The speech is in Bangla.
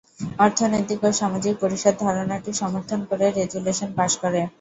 অর্থনৈতিক ও সামাজিক পরিষদ ধারণাটি সমর্থন করে রেজুলেশন পাস করে।